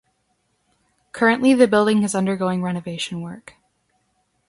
Currently the building is undergoing renovation work.